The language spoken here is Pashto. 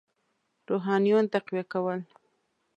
روحانیون تقویه کول.